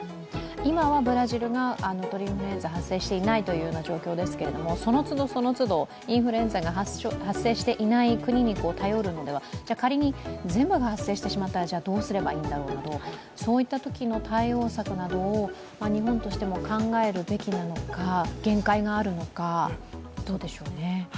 今はブラジルが鳥インフルエンザ発生していないという状況ですけども、その都度、その都度、インフルエンザが発症していない国に頼るのではじゃあ仮に、全部が発生してしまったら、どうすればいいのかなどそういったときの対応策などを日本としても考えるべきなのか、限界があるのか、どうでしょうね。